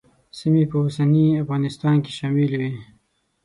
سیمې په اوسني افغانستان کې شاملې وې.